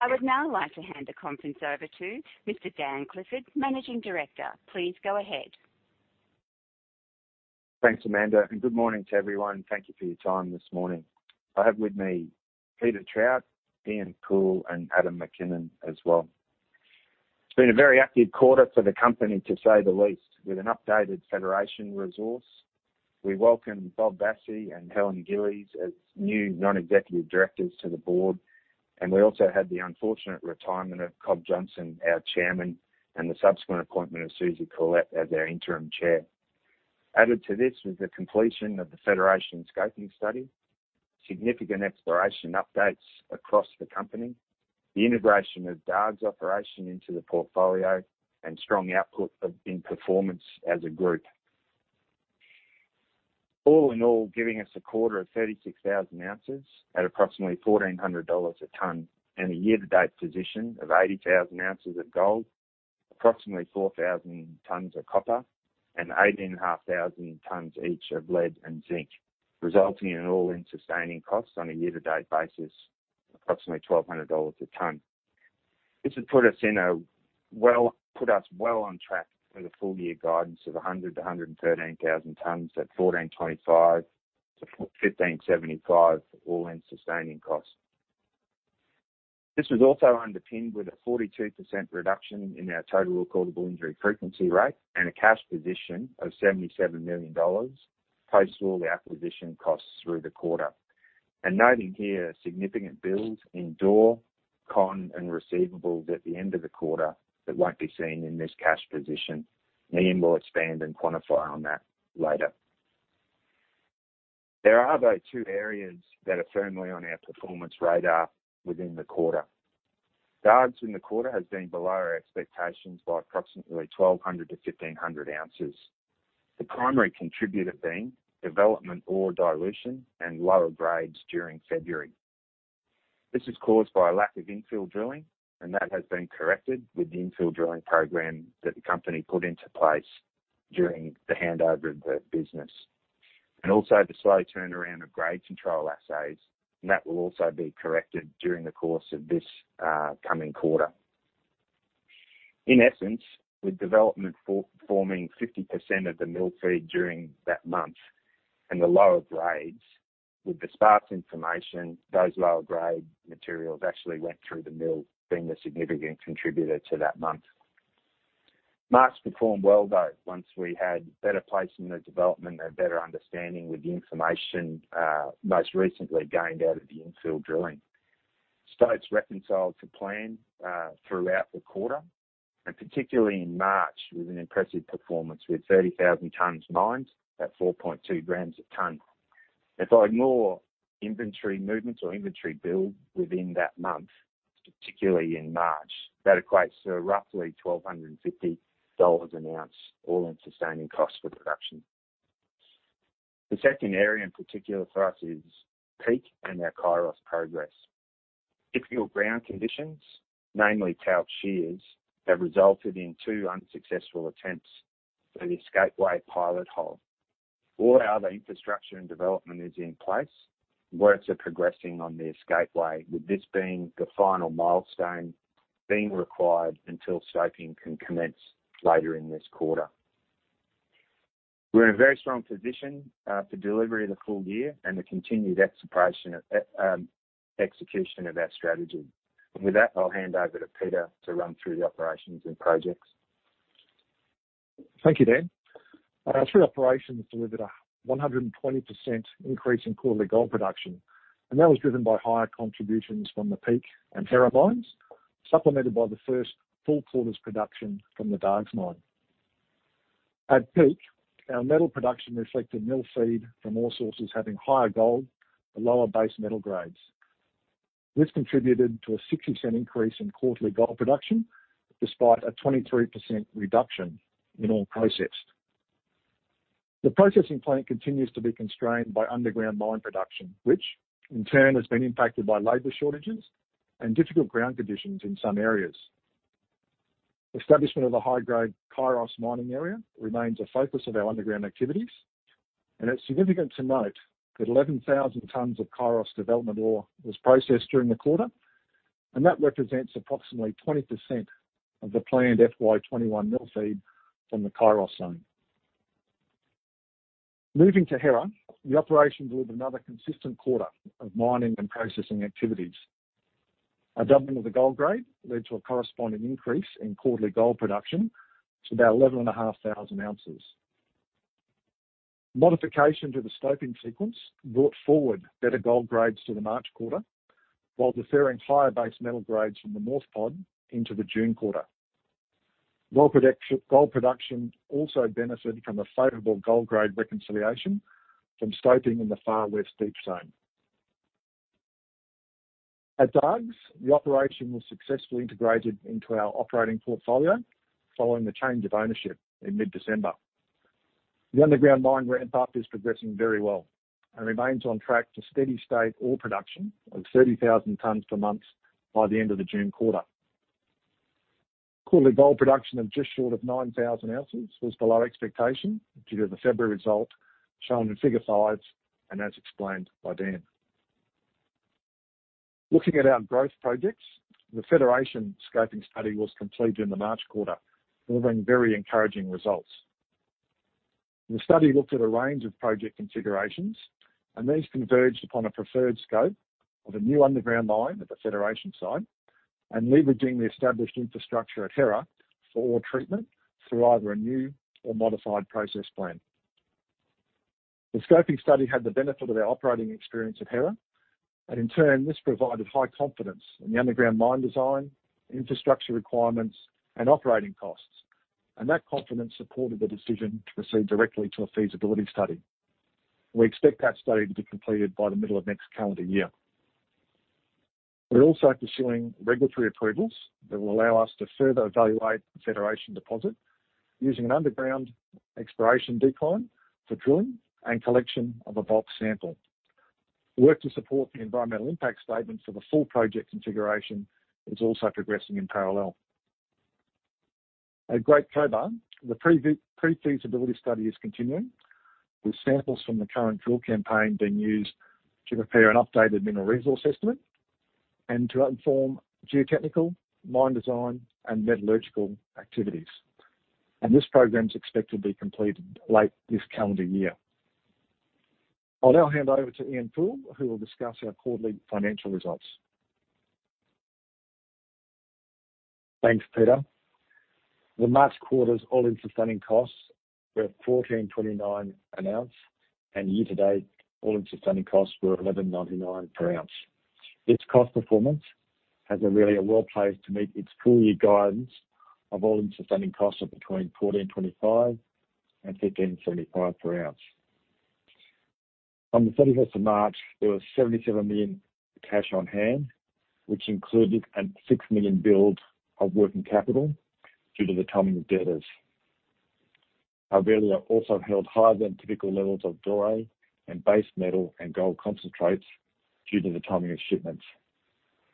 I would now like to hand the conference over to Mr. Dan Clifford, Managing Director. Please go ahead. Thanks, Amanda, and good morning to everyone. Thank you for your time this morning. I have with me Peter Trout, Ian Poole, and Adam McKinnon as well. It's been a very active quarter for the company, to say the least. With an updated Federation resource, we welcome Bob Vassie and Helen Gillies as new non-executive directors to the board, and we also had the unfortunate retirement of Cobb Johnstone, our Chairman, and the subsequent appointment of Susie Corlett as our Interim Chair. Added to this was the completion of the Federation scoping study, significant exploration updates across the company, the integration of Dargues operation into the portfolio, and strong output in performance as a group. All in all, giving us a quarter of 36,000 ounces at approximately 1,400 dollars a ton, and a year-to-date position of 80,000 ounces of gold, approximately 4,000 tons of copper, and 18,500 tons each of lead and zinc, resulting in an all-in sustaining cost on a year-to-date basis, approximately 1,200 dollars a ton. This has put us well on track for the full year guidance of 100 tons-113,000 tons at AUD 1,425-AUD 1,575 all-in sustaining costs. This was also underpinned with a 42% reduction in our total recordable injury frequency rate and a cash position of 77 million dollars, post all the acquisition costs through the quarter. Noting here significant builds in doré and con and receivables at the end of the quarter that won't be seen in this cash position. Ian will expand and quantify on that later. There are, though, two areas that are firmly on our performance radar within the quarter. Dargues in the quarter has been below our expectations by approximately 1,200-1,500 ounces. The primary contributor being development or dilution and lower grades during February. This is caused by a lack of infill drilling, and that has been corrected with the infill drilling program that the company put into place during the handover of the business. Also the slow turnaround of grade control assays. That will also be corrected during the course of this coming quarter. In essence, with development forming 50% of the mill feed during that month and the lower grades, with the sparse information, those lower-grade materials actually went through the mill, being a significant contributor to that month. March performed well, though, once we had better place in the development and better understanding with the information, most recently gained out of the infill drilling. Stopes reconciled to plan throughout the quarter, and particularly in March with an impressive performance, with 30,000 tons mined at 4.2 g/t. If I ignore inventory movements or inventory build within that month, particularly in March, that equates to roughly 1,250 dollars an ounce all-in sustaining cost for production. The second area in particular for us is Peak and our Kairos progress. Difficult ground conditions, mainly talc shears, have resulted in two unsuccessful attempts for the escape way pilot hole. All other infrastructure and development is in place. Works are progressing on the escape way, with this being the final milestone being required until stoping can commence later in this quarter. We're in a very strong position for delivery of the full year and the continued execution of our strategy. With that, I'll hand over to Peter to run through the operations and projects. Thank you, Dan. Our three operations delivered a 120% increase in quarterly gold production, and that was driven by higher contributions from the Peak and Hera mines, supplemented by the first full quarter's production from the Dargues Mine. At Peak, our metal production reflected mill feed from all sources having higher gold but lower base metal grades. This contributed to a 60% increase in quarterly gold production, despite a 23% reduction in ore processed. The processing plant continues to be constrained by underground mine production, which in turn has been impacted by labor shortages and difficult ground conditions in some areas. Establishment of the high-grade Kairos mining area remains a focus of our underground activities, and it's significant to note that 11,000 tons of Kairos development ore was processed during the quarter, and that represents approximately 20% of the planned FY 2021 mill feed from the Kairos zone. Moving to Hera, the operations with another consistent quarter of mining and processing activities. A doubling of the gold grade led to a corresponding increase in quarterly gold production to about 11,500 ounces. Modification to the stoping sequence brought forward better gold grades to the March quarter, while deferring higher base metal grades from the North pod into the June quarter. Gold production also benefited from a favorable gold grade reconciliation from stoping in the Far West deep zone. At Dargues, the operation was successfully integrated into our operating portfolio following the change of ownership in mid-December. The underground mine ramp-up is progressing very well and remains on track to steady-state ore production of 30,000 tons per month by the end of the June quarter. Quarterly gold production of just short of 9,000 ounces was below expectation due to the February result shown in figure five, and as explained by Dan. Looking at our growth projects, the Federation scoping study was completed in the March quarter, delivering very encouraging results. The study looked at a range of project configurations, these converged upon a preferred scope of a new underground mine at the Federation site and leveraging the established infrastructure at Hera for ore treatment through either a new or modified process plant. The scoping study had the benefit of our operating experience at Hera, in turn, this provided high confidence in the underground mine design, infrastructure requirements, and operating costs. That confidence supported the decision to proceed directly to a feasibility study. We expect that study to be completed by the middle of next calendar year. We're also pursuing regulatory approvals that will allow us to further evaluate the Federation deposit using an underground exploration decline for drilling and collection of a bulk sample. Work to support the environmental impact statement for the full project configuration is also progressing in parallel. At Great Cobar, the pre-feasibility study is continuing, with samples from the current drill campaign being used to prepare an updated mineral resource estimate and to inform geotechnical, mine design, and metallurgical activities. This program is expected to be completed late this calendar year. I'll now hand over to Ian Poole, who will discuss our quarterly financial results. Thanks, Peter. The March quarter's all-in sustaining costs were 1,429 an ounce, and year-to-date, all-in sustaining costs were 1,199 per ounce. This cost performance has Aurelia well-placed to meet its full-year guidance of all-in sustaining costs of between 1,425 and 1,575 per ounce. On the 31st of March, there was 77 million cash on hand, which included an 6 million build of working capital due to the timing of debtors. Aurelia also held higher than typical levels of doré and base metal and gold concentrates due to the timing of shipments.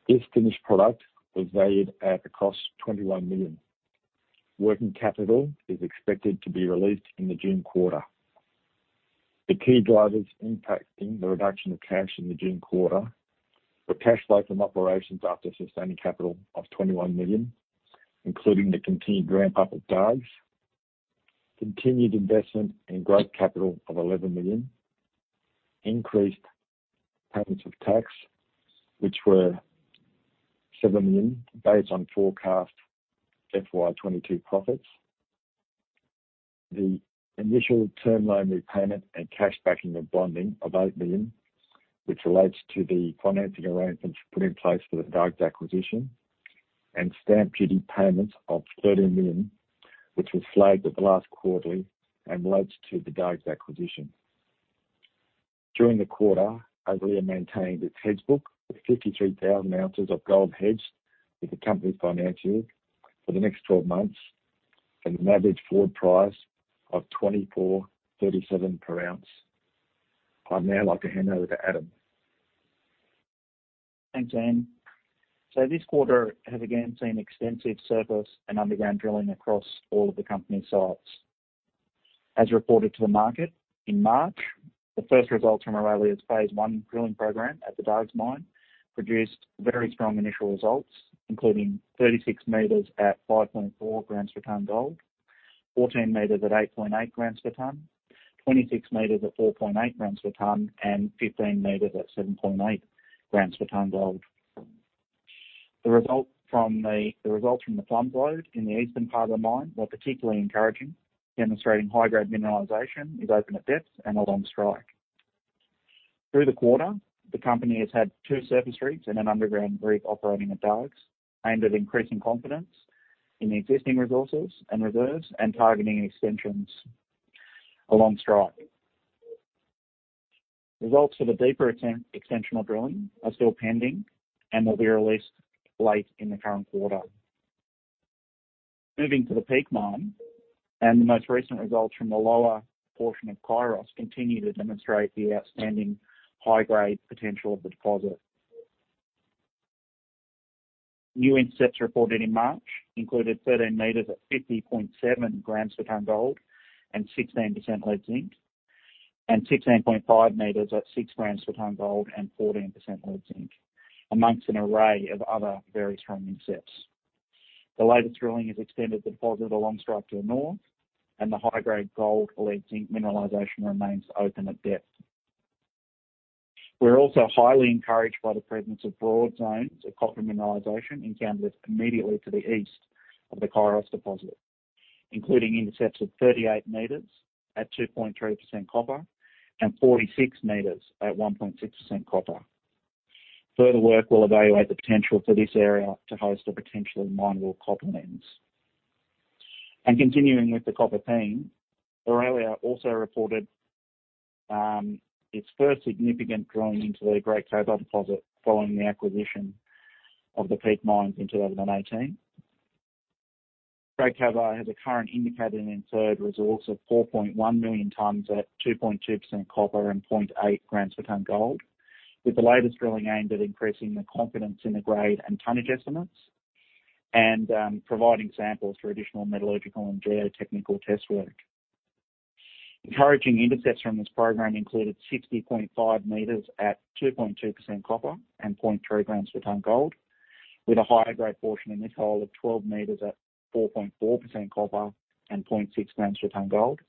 This finished product was valued at a cost of 21 million. Working capital is expected to be released in the June quarter. The key drivers impacting the reduction of cash in the June quarter were cash flow from operations after sustaining capital of 21 million, including the continued ramp-up of Dargues, continued investment in growth capital of 11 million, increased patterns of tax, which were 7 million, based on forecast FY 2022 profits. The initial term loan repayment and cash backing of bonding of 8 million, which relates to the financing arrangements put in place for the Dargues acquisition, and stamp duty payments of 13 million, which was flagged at the last quarterly and relates to the Dargues acquisition. During the quarter, Aurelia maintained its hedge book with 53,000 ounces of gold hedged with [the company financially] for the next 12 months at an average forward price of 2,437 per ounce. I'd now like to hand over to Adam. Thanks, Ian. This quarter has again seen extensive surface and underground drilling across all of the company sites. As reported to the market, in March, the first results from Aurelia's phase one drilling program at the Dargues Mine produced very strong initial results, including 36 m at 5.4 g/t gold, 14 m at 8.8 g/t, 26 m at 4.8 g/t, and 15 m at 7.8 g/t gold. The results from the Plum's Lode in the eastern part of the mine were particularly encouraging, demonstrating high-grade mineralization is open at depth and along strike. Through the quarter, the company has had two surface rigs and an underground rig operating at Dargues, aimed at increasing confidence in the existing resources and reserves and targeting extensions along strike. Results for the deeper extensional drilling are still pending and will be released late in the current quarter. Moving to the Peak Mine, and the most recent results from the lower portion of Kairos continue to demonstrate the outstanding high-grade potential of the deposit. New intercepts reported in March included 13 m at 50.7 g/t gold and 16% lead zinc, and 16.5 m at 6 g/t gold and 14% lead zinc, amongst an array of other very strong intercepts. The latest drilling has extended the deposit along strike to the north, and the high-grade gold lead zinc mineralization remains open at depth. We're also highly encouraged by the presence of broad zones of copper mineralization encountered immediately to the east of the Kairos deposit, including intercepts of 38 m at 2.3% copper and 46 m at 1.6% copper. Further work will evaluate the potential for this area to host a potential mineable copper lens. Continuing with the copper theme, Aurelia also reported its first significant drilling into the Great Cobar deposit following the acquisition of the Peak Mine in 2018. Great Cobar has a current indicated and inferred resource of 4.1 million tons at 2.2% copper and 0.8 g/t gold. With the latest drilling aimed at increasing the confidence in the grade and tonnage estimates, and providing samples for additional metallurgical and geotechnical test work. Encouraging intercepts from this program included 60.5 m at 2.2% copper and 0.3 g/t gold, with a higher-grade portion in this hole of 12 m at 4.4% copper and 0.6 g/t gold,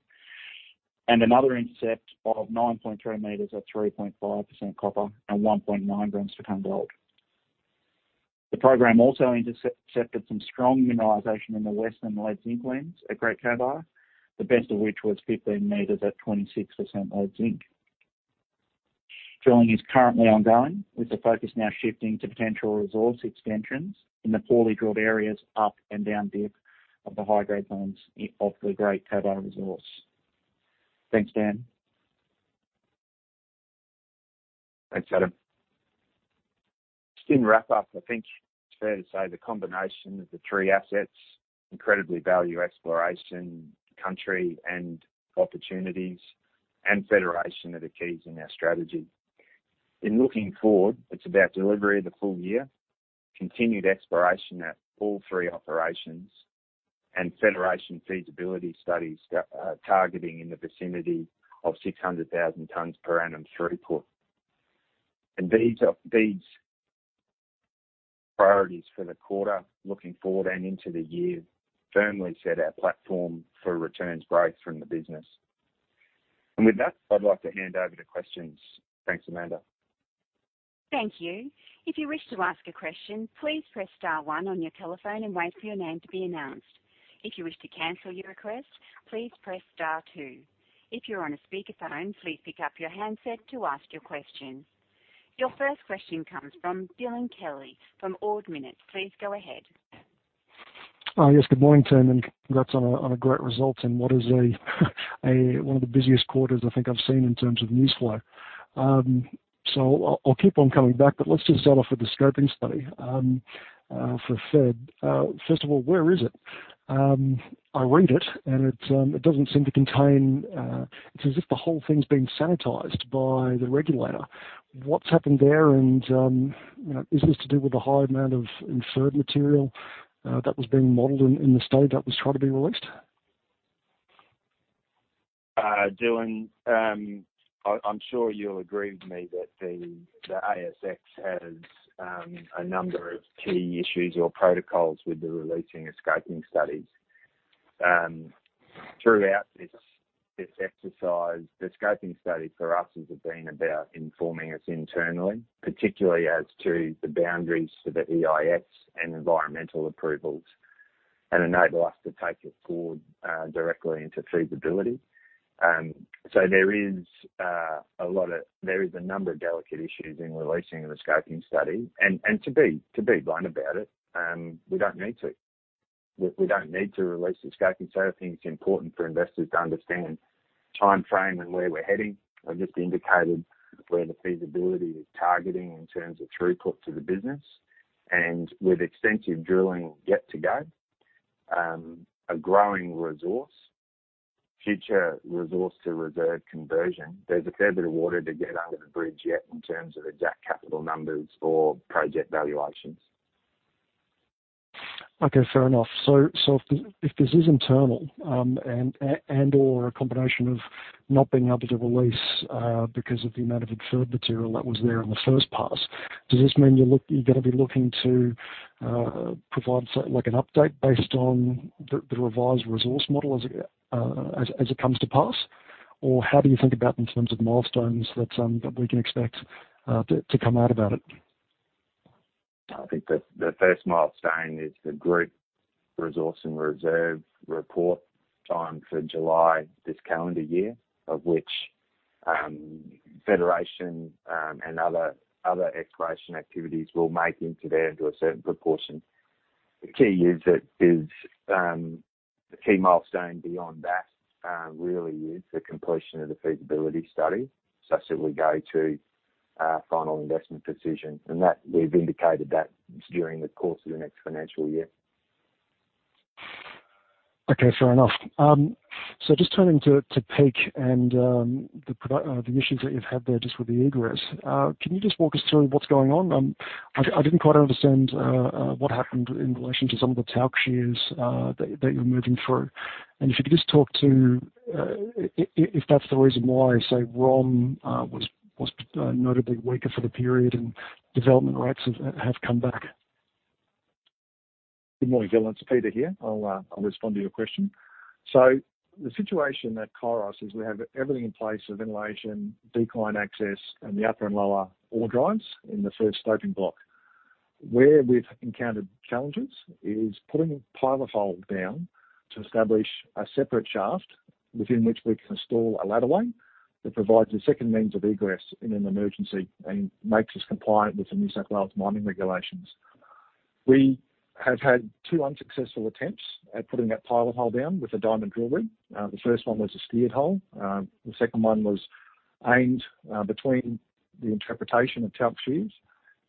and another intercept of 9.3 m at 3.5% copper and 1.9 g/t gold. The program also intercepted some strong mineralization in the western lead zinc lens at Great Cobar, the best of which was 15 m at 26% lead zinc. Drilling is currently ongoing, with the focus now shifting to potential resource extensions in the poorly drilled areas up and down dip of the high-grade zones of the Great Cobar resource. Thanks, Dan. Thanks, Adam. Just in wrap up, I think it's fair to say the combination of the three assets, incredibly value exploration, country, and opportunities, and Federation are the keys in our strategy. In looking forward, it's about delivery of the full year, continued exploration at all three operations, and Federation feasibility studies targeting in the vicinity of 600,000 tons per annum throughput. These priorities for the quarter, looking forward and into the year, firmly set our platform for returns growth from the business. With that, I'd like to hand over to questions. Thanks, Amanda. Thank you. If you wish to ask a question, please press star one on your telephone and wait for your name to be announced. If you wish to cancel your request, please press star two. If you're on a speakerphone, please pick up your handset to ask your question. Your first question comes from Dylan Kelly from Ord Minnett. Please go ahead. Yes. Good morning, team, and congrats on a great result in what is one of the busiest quarters I think I've seen in terms of news flow. I'll keep on coming back, but let's just start off with the scoping study for Fed. First of all, where is it? I read it, and it doesn't seem to contain It's as if the whole thing's been sanitized by the regulator. What's happened there? And is this to do with the high amount of inferred material that was being modeled in the study that was trying to be released? Dylan, I'm sure you'll agree with me that the ASX has a number of key issues or protocols with the releasing of scoping studies. Throughout this exercise, the scoping study for us has been about informing us internally, particularly as to the boundaries for the EIS and environmental approvals, and enable us to take it forward directly into feasibility. There is a number of delicate issues in releasing of a scoping study. To be blunt about it, we don't need to. We don't need to release the scoping study. I think it's important for investors to understand timeframe and where we're heading. I've just indicated where the feasibility is targeting in terms of throughput to the business. With extensive drilling yet to go, a growing resource, future resource to reserve conversion, there's a fair bit of water to get under the bridge yet in terms of exact capital numbers or project valuations. Okay, fair enough. If this is internal, and/or a combination of not being able to release because of the amount of inferred material that was there in the first pass, does this mean you're gonna be looking to provide an update based on the revised resource model as it comes to pass? Or how do you think about in terms of milestones that we can expect to come out about it? I think the first milestone is the group resource and reserve report timed for July this calendar year. Of which Federation and other exploration activities will make into there to a certain proportion. The key milestone beyond that really is the completion of the feasibility study, such that we go to our final investment decision. We've indicated that's during the course of the next financial year. Okay, fair enough. Just turning to Peak and the issues that you've had there just with the egress. Can you just walk us through what's going on? I didn't quite understand what happened in relation to some of the talc shears that you're moving through. If you could just talk to if that's the reason why, say, ROM was notably weaker for the period and development rates have come back. Good morning, Dylan. It's Peter here. I'll respond to your question. The situation at Kairos is we have everything in place for ventilation, decline access, and the upper and lower ore drives in the first stoping block. Where we've encountered challenges is putting a pilot hole down to establish a separate shaft within which we can install a ladder way that provides a second means of egress in an emergency and makes us compliant with the New South Wales mining regulations. We have had two unsuccessful attempts at putting that pilot hole down with the diamond drilling. The first one was a steered hole. The second one was aimed between the interpretation of talc shears.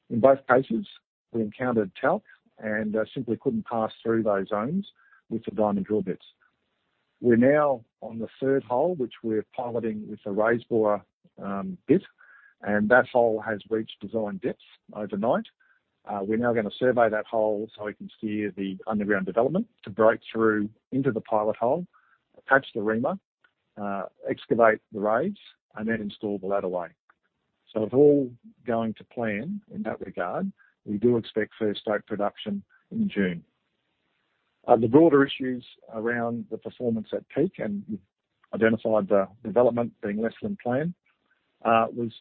In both cases, we encountered talc and simply couldn't pass through those zones with the diamond drill bits. We're now on the third hole, which we're piloting with a raise bore bit. That hole has reached design depths overnight. We're now going to survey that hole so we can steer the underground development to break through into the pilot hole, attach the reamer, excavate the raise, and then install the ladder way. If all going to plan in that regard, we do expect first ore production in June. The broader issues around the performance at Peak, and you've identified the development being less than planned, was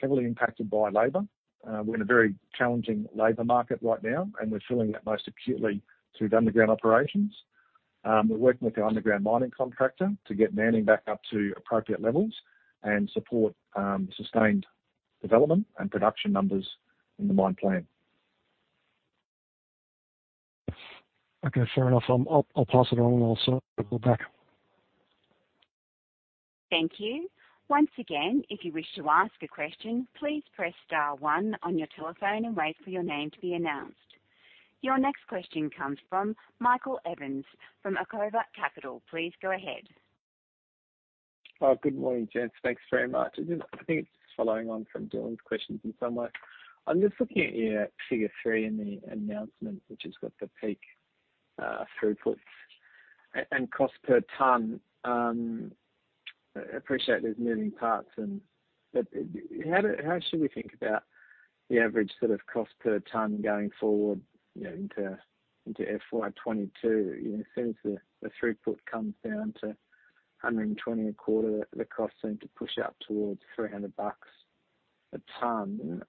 heavily impacted by labor. We're in a very challenging labor market right now. We're feeling that most acutely through the underground operations. We're working with the underground mining contractor to get manning back up to appropriate levels and support sustained development and production numbers in the mine plan. Okay, fair enough. I'll pass it on and I'll circle back. Thank you. Once again, if you wish to ask a question, please press star one on your telephone and wait for your name to be announced. Your next question comes from Michael Evans from Acova Capital. Please go ahead. Good morning, gents. Thanks very much. I think it's just following on from Dylan's questions in some way. I'm just looking at your figure three in the announcement, which has got the Peak throughput and cost per ton. I appreciate there's moving parts. How should we think about the average cost per ton going forward into FY 2022? As soon as the throughput comes down to 120 a quarter, the costs seem to push up towards 300 bucks a ton.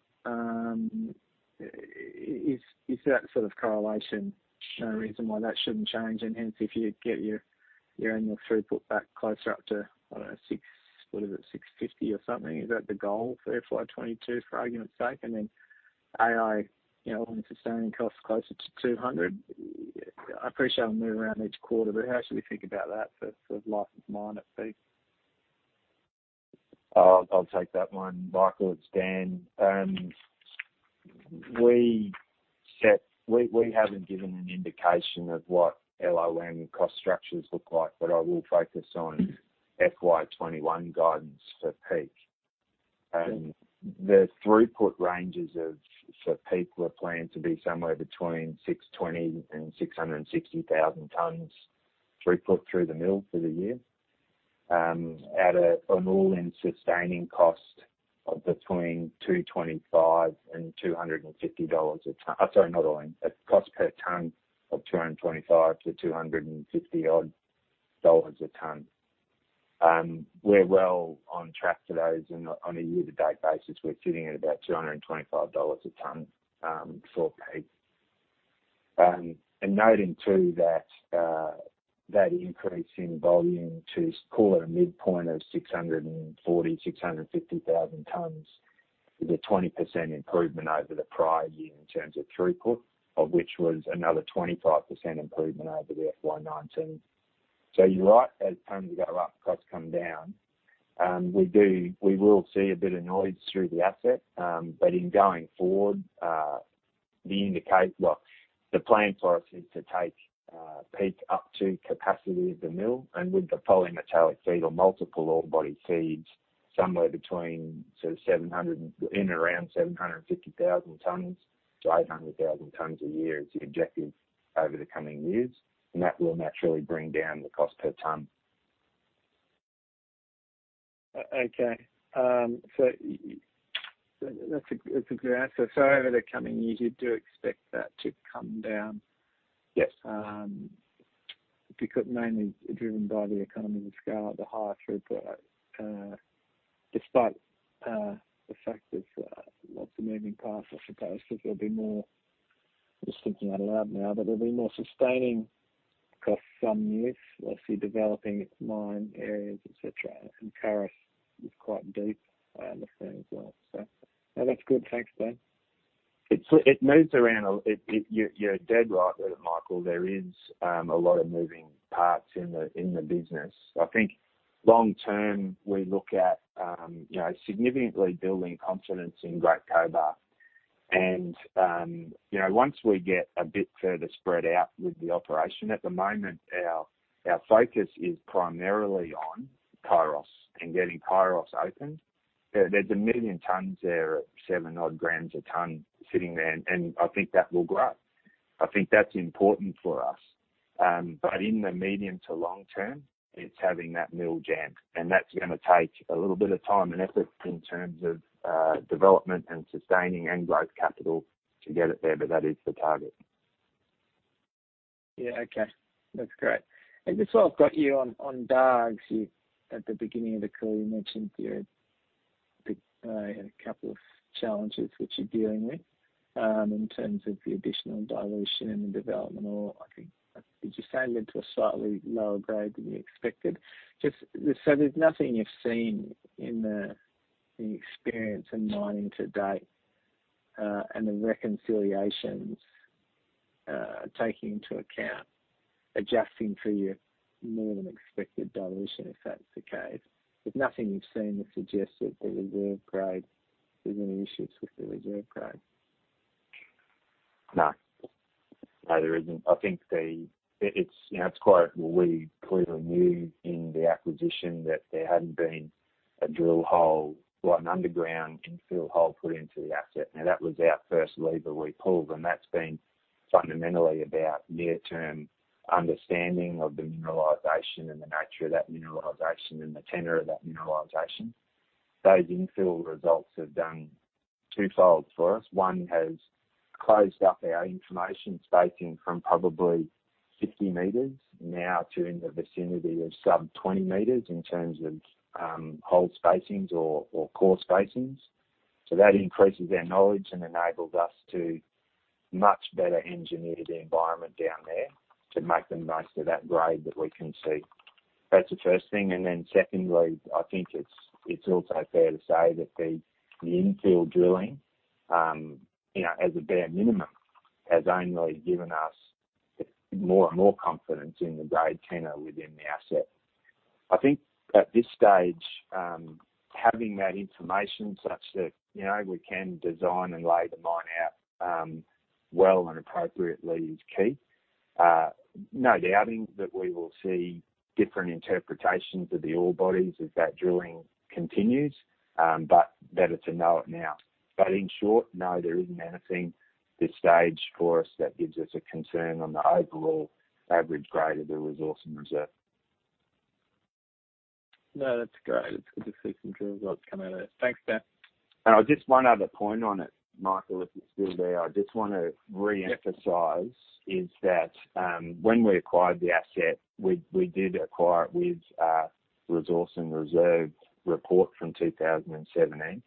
Is that sort of correlation, no reason why that shouldn't change? If you get your annual throughput back closer up to, I don't know, 650 or something, is that the goal for FY 2022, for argument's sake? AISC, on sustaining costs closer to 200. I appreciate they move around each quarter, but how should we think about that for life of mine at Peak? I'll take that one, Michael. It's Dan. We haven't given an indication of what LOM cost structures look like. I will focus on FY 2021 guidance for Peak. The throughput ranges for Peak were planned to be somewhere between 620 and 660,000 tons throughput through the mill for the year, at an all-in sustaining cost of between 225 and 250 dollars a ton. Sorry, not all-in. A cost per ton of 225-250 dollars odd a ton. We're well on track for those. On a year-to-date basis, we're sitting at about 225 dollars a ton for Peak. Noting, too, that increase in volume to call it a midpoint of 640, 650,000 tons is a 20% improvement over the prior year in terms of throughput, of which was another 25% improvement over the FY 2019. You're right. As tons go up, costs come down. We will see a bit of noise through the asset. In going forward, the plan for us is to take Peak up to capacity of the mill and with the polymetallic feed or multiple ore body feeds, somewhere between in around 750,000 tons-800,000 tons a year is the objective over the coming years, that will naturally bring down the cost per ton. Okay. That's a great answer. Over the coming year, you do expect that to come down? Yes. Because mainly driven by the economies of scale of the higher throughput, despite the fact there's lots of moving parts, I suppose, because there'll be more I'm just thinking out loud now, but there'll be more sustaining costs some years, less you're developing mine areas, et cetera. Kairos is quite deep, I understand as well. No, that's good. Thanks, Dan. You're dead right there, Michael. There is a lot of moving parts in the business. I think long-term, we look at significantly building confidence in Great Cobar, once we get a bit further spread out with the operation. At the moment, our focus is primarily on Kairos and getting Kairos opened. There's 1 million tons there at 7-odd g/t sitting there, and I think that will grow. I think that's important for us. In the medium to long term, it's having that mill jammed, and that's going to take a little bit of time and effort in terms of development and sustaining and growth capital to get it there, but that is the target. Yeah. Okay. That's great. Just while I've got you on Dargues, at the beginning of the call, you mentioned there a couple of challenges which you're dealing with in terms of the additional dilution and the development, or I think did you say moved to a slightly lower grade than you expected? There's nothing you've seen in the experience in mining to date and the reconciliations taking into account adjusting for your more-than-expected dilution, if that's the case. There's nothing you've seen that suggests that the reserve grade, there's any issues with the reserve grade? No. No, there isn't. We clearly knew in the acquisition that there hadn't been a drill hole, like an underground infill hole, put into the asset. Now, that was our first lever we pulled, and that's been fundamentally about near-term understanding of the mineralization and the nature of that mineralization and the tenor of that mineralization. Those infill results have done twofold for us. One has closed up our information spacing from probably 50 m now to in the vicinity of sub-20 m in terms of hole spacings or core spacings. That increases our knowledge and enables us to much better engineer the environment down there to make the most of that grade that we can see. That's the first thing. Secondly, I think it's also fair to say that the infill drilling, as a bare minimum, has only given us more and more confidence in the grade tenor within the asset. I think at this stage, having that information such that we can design and lay the mine out well and appropriately is key. No doubting that we will see different interpretations of the ore bodies as that drilling continues, but better to know it now. In short, no, there isn't anything this stage for us that gives us a concern on the overall average grade of the resource and reserve. No, that's great. It's good to see some drill results come out of it. Thanks, Dan. Just one other point on it, Michael, if you're still there. I just want to reemphasize is that when we acquired the asset, we did acquire it with a resource and reserves report from 2017.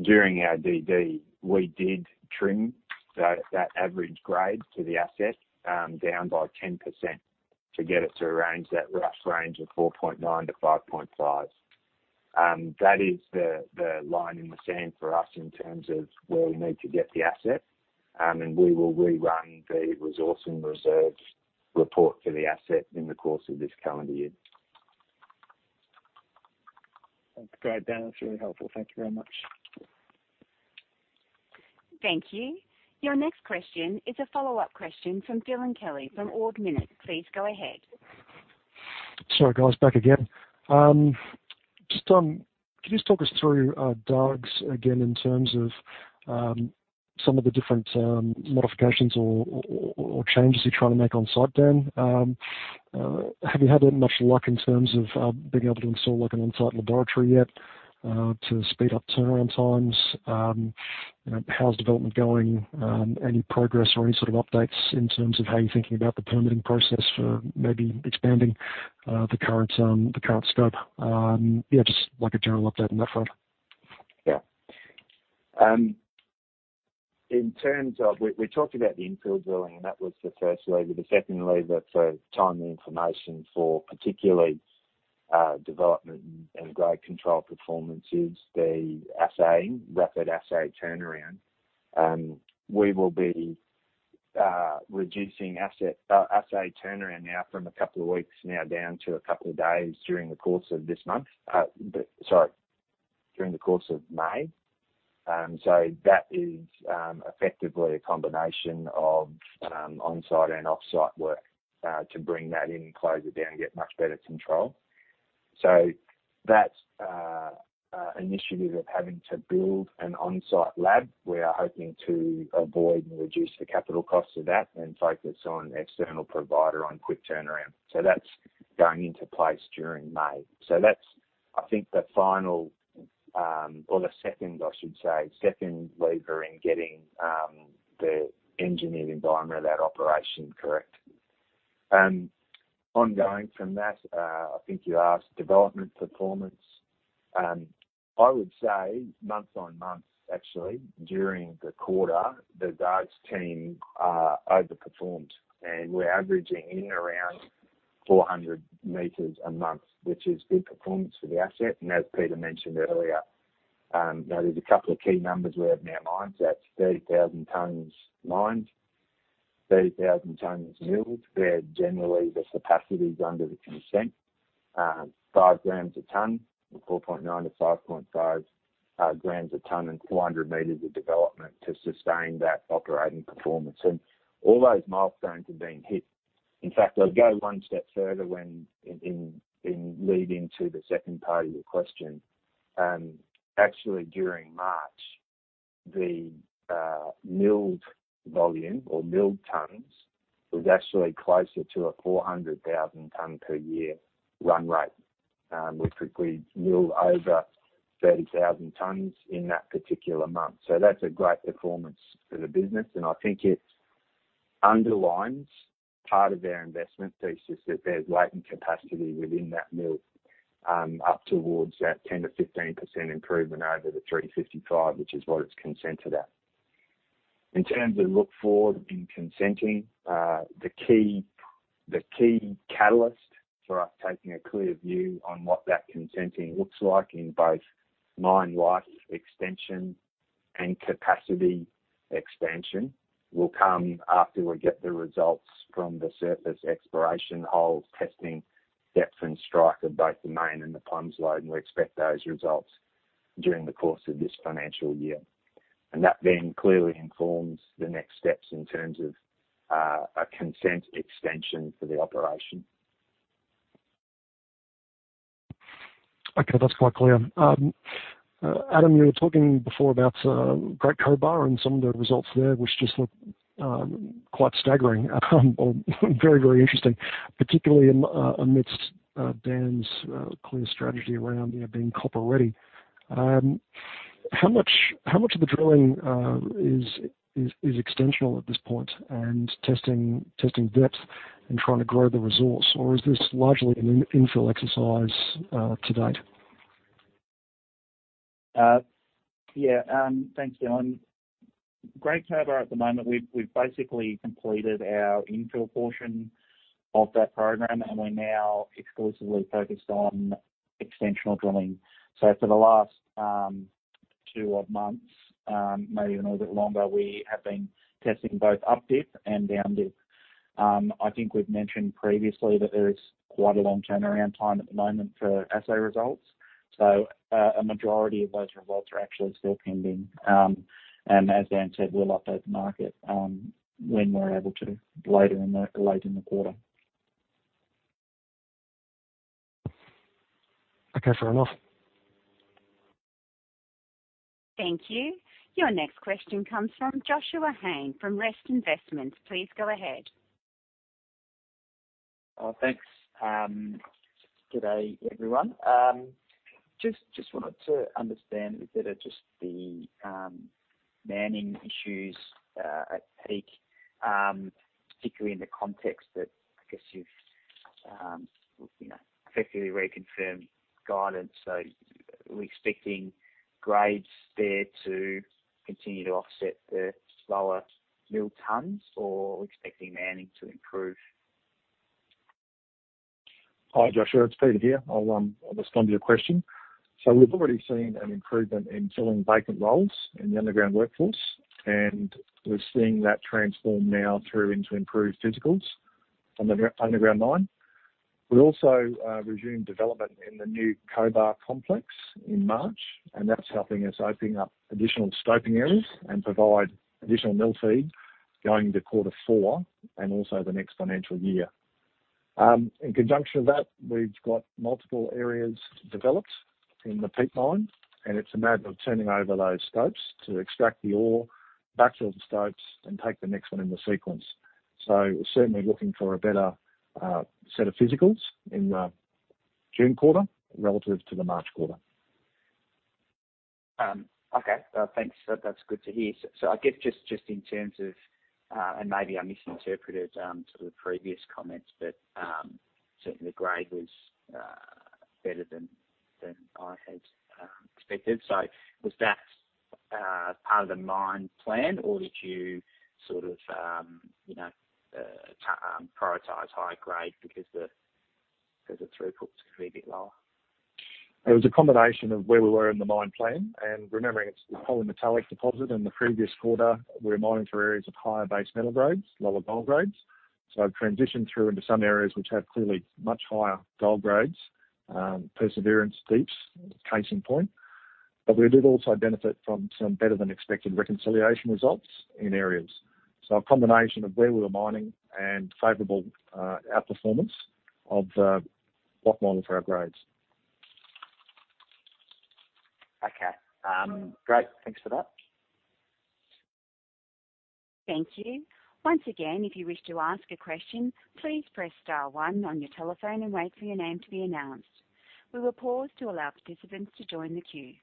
During our DD, we did trim that average grade to the asset down by 10% to get it to around that rough range of 4.9-5.5. That is the line in the sand for us in terms of where we need to get the asset. We will rerun the resource and reserves report for the asset in the course of this calendar year. That's great, Dan. That's really helpful. Thank you very much. Thank you. Your next question is a follow-up question from Dylan Kelly from Ord Minnett. Please go ahead. Sorry, guys. Back again. Can you just talk us through Dargues again in terms of some of the different modifications or changes you're trying to make on-site, Dan? Have you had that much luck in terms of being able to install an on-site laboratory yet to speed up turnaround times? How's development going? Any progress or any sort of updates in terms of how you're thinking about the permitting process for maybe expanding the current scope? Yeah, just like a general update on that front. Yeah. We talked about the infill drilling, and that was the first lever. The second lever for timely information for particularly development and grade control performance is the rapid assay turnaround. We will be reducing assay turnaround now from a couple of weeks now down to a couple of days during the course of this month. Sorry, during the course of May. That is effectively a combination of on-site and off-site work to bring that in, close it down, and get much better control. That initiative of having to build an on-site lab, we are hoping to avoid and reduce the capital costs of that and focus on external provider on quick turnaround. That's going into place during May. That's, I think, the final, or the second, I should say, second lever in getting the engineering environment of that operation correct. Ongoing from that, I think you asked development performance. I would say month on month, actually, during the quarter, the Dargues team overperformed, and we're averaging in around 400 m a month, which is good performance for the asset. As Peter mentioned earlier, there's a couple of key numbers we have in our minds. That's 30,000 tons mined, 30,000 tons milled, where generally the capacity is under the consent, 5 g/t, or 4.9-5.5 g/t, and 400 m of development to sustain that operating performance. All those milestones have been hit. In fact, I'd go one step further when in leading to the second part of your question. Actually, during March, the milled volume or milled tons was actually closer to a 400,000 tons per year run rate, which we milled over 30,000 tons in that particular month. That's a great performance for the business, and I think it underlines part of our investment thesis that there's latent capacity within that mill up towards that 10%-15% improvement over the 355, which is what it's consented at. In terms of look forward in consenting, the key catalyst for us taking a clear view on what that consenting looks like in both mine life extension and capacity expansion will come after we get the results from the surface exploration hole testing depth and strike of both the main and the Plum's Lode, and we expect those results during the course of this financial year. That then clearly informs the next steps in terms of a consent extension for the operation. Okay, that's quite clear. Adam, you were talking before about Great Cobar and some of the results there, which just look quite staggering or very, very interesting, particularly amidst Dan's clear strategy around being copper ready. How much of the drilling is extensional at this point and testing depth and trying to grow the resource? Or is this largely an infill exercise to date? Yeah, thanks, Dylan. Great Cobar at the moment, we've basically completed our infill portion of that program, and we're now exclusively focused on extensional drilling. For the last two months, maybe even a little bit longer, we have been testing both up-dip and down-dip. I think we've mentioned previously that there is quite a long turnaround time at the moment for assay results. A majority of those results are actually still pending. As Dan said, we'll update the market when we're able to later in the quarter. Okay, fair enough. Thank you. Your next question comes from Joshua Hain from Rest Investments. Please go ahead. Thanks. Good day, everyone. Just wanted to understand a bit of just the manning issues at Peak, particularly in the context that I guess you've effectively reconfirmed guidance. Are we expecting grades there to continue to offset the lower mill tons, or are we expecting manning to improve? Hi, Joshua. It's Peter here. I'll just respond to your question. We've already seen an improvement in filling vacant roles in the underground workforce, and we're seeing that transform now through into improved physicals on the underground mine. We also resumed development in the New Cobar Complex in March, and that's helping us open up additional scoping areas and provide additional mill feed going into quarter four and also the next financial year. In conjunction with that, we've got multiple areas to develop in the Peak Mine, and it's a matter of turning over those stopes to extract the ore, backfill the stopes, and take the next one in the sequence. We're certainly looking for a better set of physicals in the June quarter relative to the March quarter. Thanks. That's good to hear. I guess just in terms of, and maybe I misinterpreted some of the previous comments, but certainly the grade was better than I had expected. Was that part of the mine plan, or did you sort of prioritize high grade because the throughput's going to be a bit lower? It was a combination of where we were in the mine plan and remembering it's a polymetallic deposit. In the previous quarter, we were mining for areas of higher base metal grades, lower gold grades. We've transitioned through into some areas which have clearly much higher gold grades. Perseverance Deeps is case in point. We did also benefit from some better-than-expected reconciliation results in areas. A combination of where we were mining and favorable outperformance of what mining for our grades. Okay. Great. Thanks for that. Thank you. Once again, if you wish to ask a question, please press star one on your telephone and wait for your name to be announced. We will pause to allow participants to join the queue.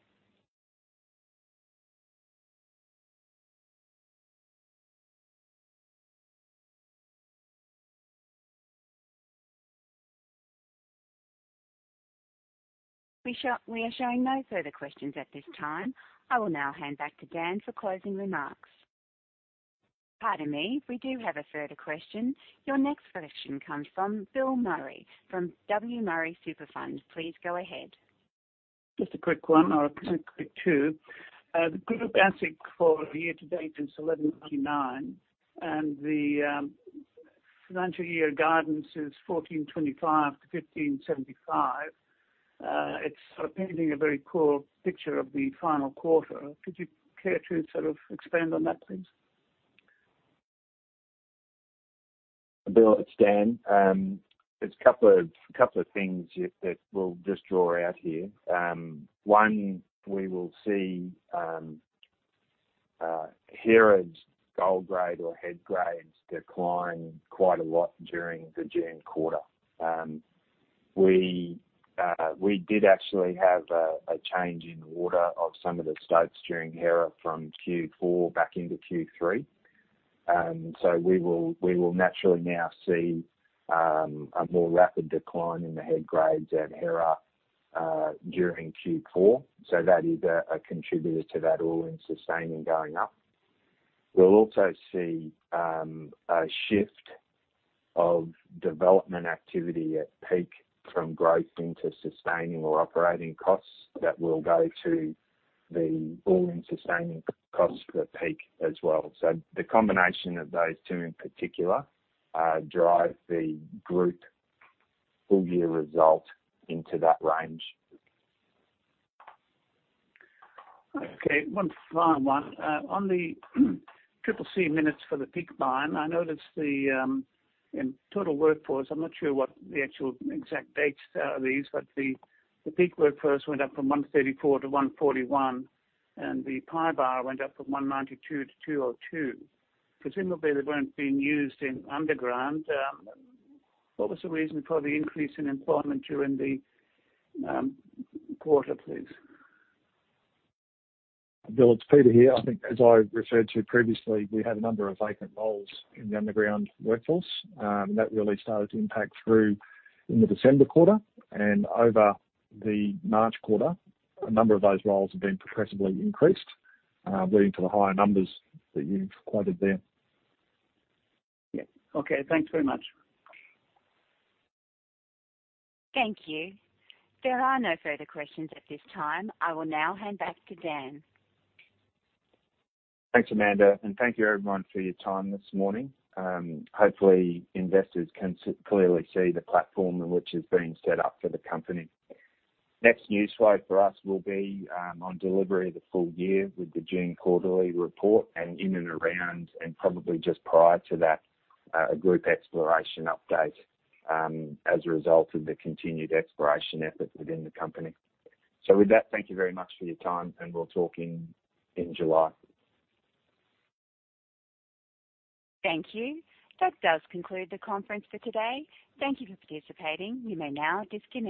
We are showing no further questions at this time. I will now hand back to Dan for closing remarks. Pardon me. We do have a further question. Your next question comes from Bill Murray from W.Murray Superfund. Please go ahead. Just a quick one or a quick two. The group AISC for the year-to-date is 1,199. The financial year guidance is 1,425-1,575. It's painting a very poor picture of the final quarter. Could you care to sort of expand on that, please? Bill, it's Dan. There's a couple of things that we'll just draw out here. One, we will see Hera's gold grade or head grades decline quite a lot during the June quarter. We did actually have a change in order of some of the stopes during Hera from Q4 back into Q3. We will naturally now see a more rapid decline in the head grades at Hera during Q4. That is a contributor to that all-in sustaining going up. We'll also see a shift of development activity at Peak from growth into sustaining or operating costs that will go to the all-in sustaining costs at Peak as well. The combination of those two in particular drive the group full year result into that range. Okay, one final one. On the CCC minutes for the Peak Mine, I noticed the total workforce, I'm not sure what the actual exact dates are of these, but the Peak workforce went up from 134-141, and the PYBAR went up from 192-202. Presumably, they weren't being used in underground. What was the reason for the increase in employment during the quarter, please? Bill, it's Peter here. I think as I referred to previously, we had a number of vacant roles in the underground workforce. That really started to impact through in the December quarter and over the March quarter, a number of those roles have been progressively increased, leading to the higher numbers that you've quoted there. Yeah. Okay. Thanks very much. Thank you. There are no further questions at this time. I will now hand back to Dan. Thanks, Amanda. Thank you everyone for your time this morning. Hopefully, investors can clearly see the platform which is being set up for the company. Next news flow for us will be on delivery of the full year with the June quarterly report and in and around, and probably just prior to that, a group exploration update as a result of the continued exploration efforts within the company. With that, thank you very much for your time, and we'll talk in July. Thank you. That does conclude the conference for today. Thank you for participating. You may now disconnect.